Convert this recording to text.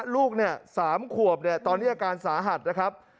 ลูก๓ขวบตอนนี้อาการสาหัสนะครับ